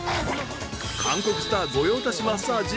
韓国スター御用達マッサージ